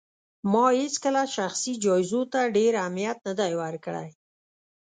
ما هيڅکله شخصي جايزو ته ډېر اهمیت نه دی ورکړی